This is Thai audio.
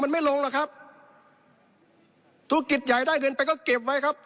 มันไม่ลงหรอกครับธุรกิจใหญ่ได้เงินไปก็เก็บไว้ครับ